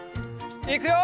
いくよ！